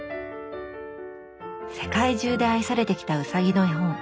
世界中で愛されてきたうさぎの絵本。